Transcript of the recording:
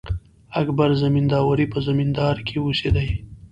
اکبر زمینداوری په زمینداور کښي اوسېدﺉ.